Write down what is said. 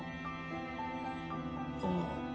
ああ。